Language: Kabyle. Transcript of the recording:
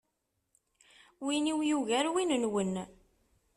Win-iw yugar win-nwen.